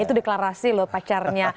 itu deklarasi loh pacarnya